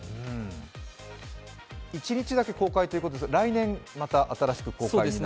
一日だけ公開ということですが、来年また新しく公開ですか。